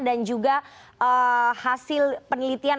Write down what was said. dan juga hasil penelitian